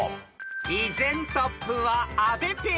［依然トップは阿部ペア］